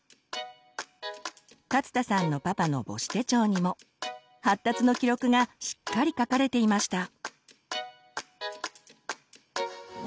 勝田さんのパパの母子手帳にも発達の記録がしっかり書かれていました。